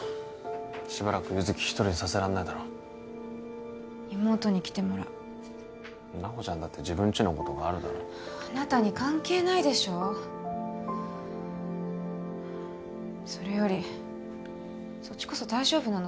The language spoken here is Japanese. しばらく優月一人にさせられないだろ妹に来てもらう菜穂ちゃんだって自分ちのことがあるだろあなたに関係ないでしょそれよりそっちこそ大丈夫なの？